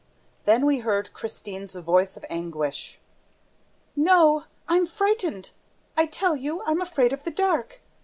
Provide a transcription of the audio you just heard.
Then we heard Christine's voice of anguish: "No! ... I'm frightened! ... I tell you, I'm afraid of the dark!